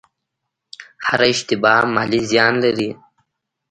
هره اشتباه مالي زیان لري.